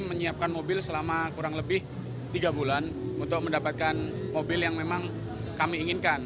menyiapkan mobil selama kurang lebih tiga bulan untuk mendapatkan mobil yang memang kami inginkan